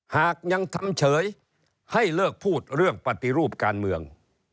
หากยังทำเฉยให้เลิกพูดเรื่องปฏิรูปการเมือง